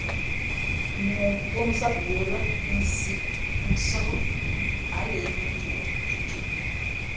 Mōō pó nzáp yə̌ lά nsī nsάh a lα imᾱnjūʼ thʉ̄thʉ̄ʼ.